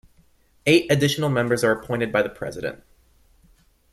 Eight additional members are appointed by the President.